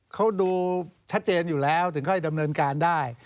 เขาดูชัดเจนอยู่แล้วถึงค่อยดำเนินการได้